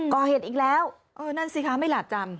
ก่อเหตุอีกแล้วเออนั่นสิคะไม่หลาดจำ